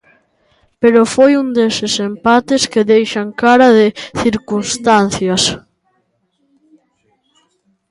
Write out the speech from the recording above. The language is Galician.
Pero foi un deses empates que deixan cara de circunstancias.